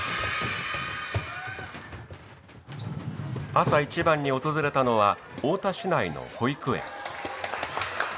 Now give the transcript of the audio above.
朝一番に訪れたのは太田市内の保育園。